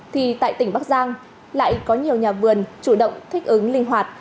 thì tại tỉnh bắc giang lại có nhiều nhà vườn chủ động thích ứng linh hoạt